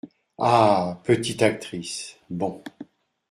Ah ! petites actrices !… bon !…